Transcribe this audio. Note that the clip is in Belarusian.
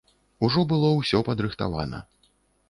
Ужо было ўсё падрыхтавана.